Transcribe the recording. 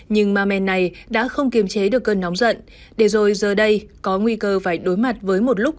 nhưng ma men này đã không kiềm chế được cơn nóng giận để rồi giờ đây có nguy cơ phải đối mặt với một lúc